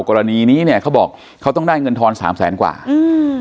กรณีนี้เนี้ยเขาบอกเขาต้องได้เงินทอนสามแสนกว่าอืม